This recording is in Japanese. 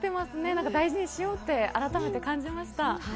なんか大事にしようって、改めて感じました。